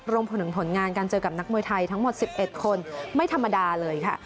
รวมถึงผลงานการเจอกับนักมวยไทยทั้งหมด๑๑คนไม่ธรรมดาเลยค่ะ